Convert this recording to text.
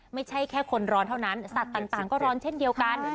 ไม่ใช่แค่คนร้อนเท่านั้นสัตว์ต่างก็ร้อนเช่นเดียวกัน